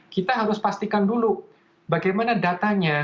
kita harus pastikan dulu bagaimana datanya